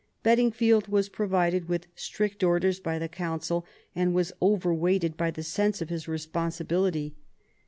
Bedingfield was provided with strict orders by the Council and was over weighted by the sense of his responsibility.